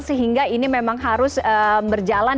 sehingga ini memang harus berjalan